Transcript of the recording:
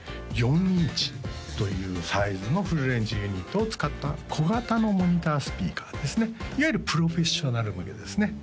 ４インチというサイズのフルレンジユニットを使った小型のモニタースピーカーですねいわゆるプロフェッショナル向けですね